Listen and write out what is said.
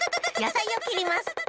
やさいをきります！